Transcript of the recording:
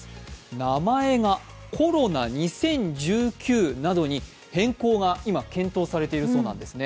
名前がコロナ２０１９などに変更が今、検討されているそうなんですね。